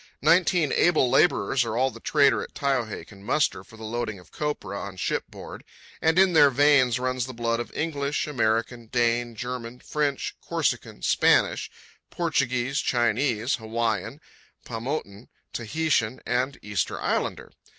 Nineteen able labourers are all the trader at Taiohae can muster for the loading of copra on shipboard, and in their veins runs the blood of English, American, Dane, German, French, Corsican, Spanish, Portuguese, Chinese, Hawaiian, Paumotan, Tahitian, and Easter Islander.